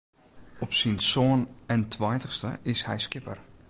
Op syn sân en tweintichste is hy skipper.